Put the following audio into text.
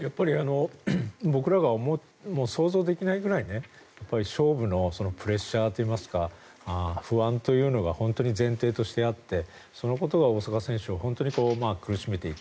僕らが想像できないくらい勝負のプレッシャーといいますか不安というのが本当に前提としてあってそのことが大坂選手を本当に苦しめていた。